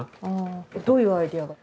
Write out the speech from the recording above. どういうアイデアが？